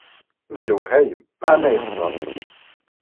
D lwehayem, meɛna yexser.